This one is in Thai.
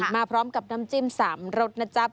มาพร้อมกับน้ำจิ้ม๓รสนะจ๊ะ